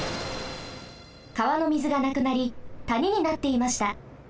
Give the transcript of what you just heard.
かわのみずがなくなりたにになっていました。